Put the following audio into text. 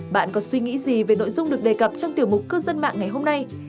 bạn có suy nghĩ gì về nội dung được đề cập trong tiểu mục cư dân mạng ngày hôm nay